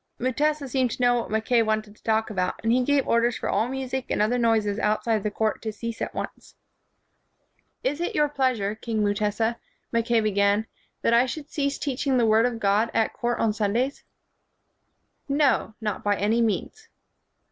Mutesa seemed to know what Mackay wanted to talk about, and he gave orders for all music and other noises outside the court to cease at once. "Is it your pleasure, King Mutesa," 124 KING AND WIZARD Mackay began, "that I should cease teach ing the Word of God at court on Sundays ?" "No, not by any means."